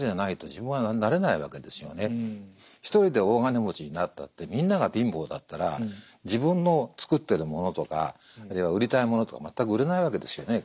１人で大金持ちになったってみんなが貧乏だったら自分の作ってるものとかあるいは売りたいものとか全く売れないわけですよね